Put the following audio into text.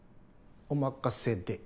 お任せで。